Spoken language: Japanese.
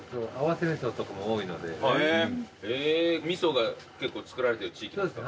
へぇー味噌が結構造られてる地域なんですか？